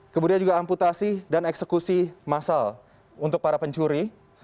kemudian juga amputasi dan eksekusi massal untuk para pencuri